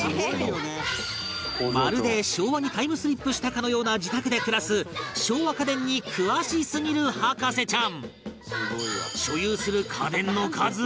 まるで昭和にタイムスリップしたかのような自宅で暮らす昭和家電に詳しすぎる博士ちゃん